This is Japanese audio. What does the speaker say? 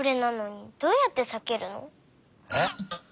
えっ。